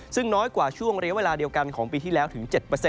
ซึ่งน้อยกว่าช่วงระยะเวลาเดียวกันของปีที่แล้วถึง๗